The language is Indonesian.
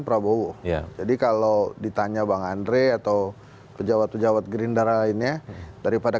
prabowo jadi kalau ditanya bang andre atau pejabat pejabat gerindra lainnya daripada